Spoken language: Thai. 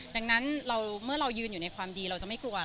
ดังนั้นเมื่อเรายืนอยู่ในความดีเราจะไม่กลัว